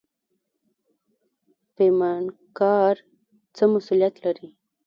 پیمانکار څه مسوولیت لري؟